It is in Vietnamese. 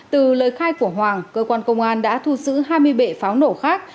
từ lời khai của hoàng cơ quan công an đã thu giữ hai mươi bệ pháo nổ khác